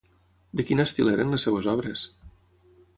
De quin estil eren les seves obres?